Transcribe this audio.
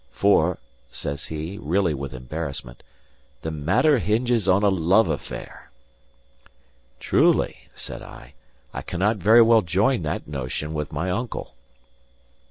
For," says he, really with embarrassment, "the matter hinges on a love affair." "Truly," said I, "I cannot very well join that notion with my uncle."